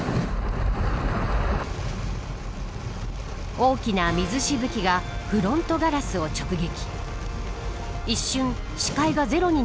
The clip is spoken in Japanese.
大きな水しぶきがフロントガラスを直撃。